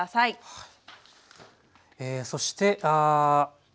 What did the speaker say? はい。